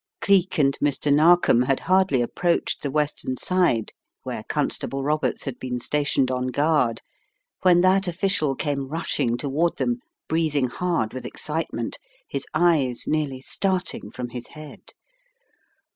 ill 112 The Riddle of the Purple Emperor Cleek and Mr. Narkom had hardly approached the western side, where Constable Roberts had been stationed on guard, when that official came rushing toward them, breathing hard with excitement, his eyes nearly starting from his head.